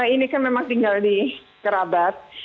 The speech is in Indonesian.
ini kan memang tinggal di kerabat